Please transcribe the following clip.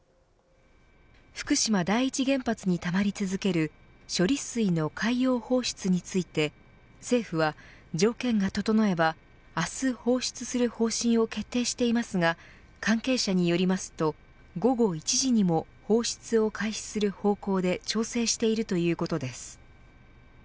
福島第一原発にたまり続ける処理水の海洋放出について政府は条件が整えば明日放出する方針を決定していますが関係者によりますと午後１時にも放出を開始する方向で調整しているということです。